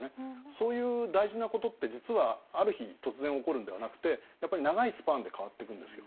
そういう大事なことって実はある日突然起こるんではなくてやっぱり長いスパンで変わっていくんですよ。